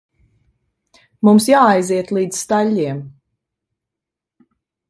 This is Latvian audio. Mums jāaiziet līdz staļļiem.